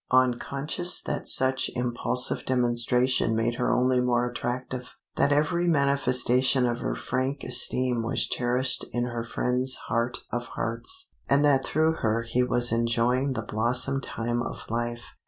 Unconscious that such impulsive demonstration made her only more attractive, that every manifestation of her frank esteem was cherished in her friend's heart of hearts, and that through her he was enjoying the blossom time of life.